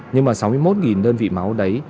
nhưng mà sáu mươi một đơn vị máu đấy